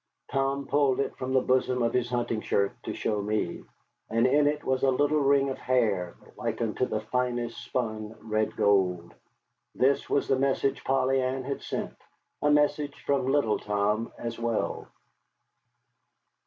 Tom pulled it from the bosom of his hunting shirt to show me, and in it was a little ring of hair like unto the finest spun red gold. This was the message Polly Ann had sent, a message from little Tom as well.